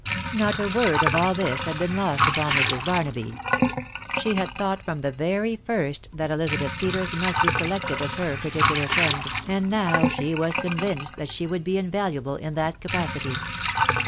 Not a word of all this had been lost upon Mrs. Barnaby. She had thought from the very first that Elizabeth Peters must be selected as her particular friend, and now she was convinced that she would be invaluable in that capacity.